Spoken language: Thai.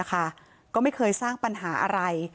ก็ไม่เคยสร้างปัญหาอะไร